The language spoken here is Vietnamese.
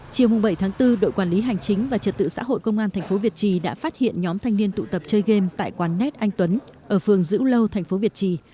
chiều bảy tháng bốn đội quản lý hành chính và trật tự xã hội công an tp việt trì đã phát hiện nhóm thanh niên tụ tập chơi game tại quán net anh tuấn ở phường dữ lâu thành phố việt trì